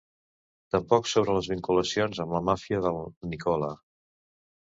Tampoc sobre les vinculacions amb la màfia del Nicola...